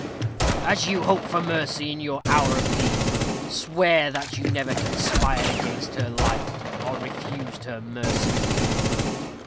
"As you hope for mercy in your hour of need, swear that you never conspired against her life, or refused her mercy."